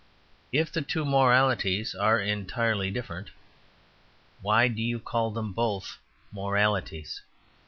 If the two moralities are entirely different, why do you call them both moralities?